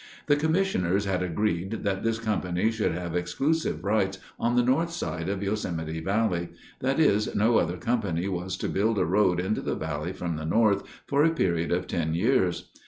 The commissioners had agreed that this company should have exclusive rights on the north side of Yosemite Valley; that is, no other company was to build a road into the valley from the north for a period of ten years.